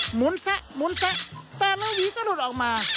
หมุนแซะแต่น้องหวีก็หลุดออกมา